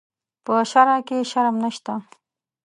په شرعه کې شرم نشته.